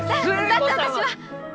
だって私は！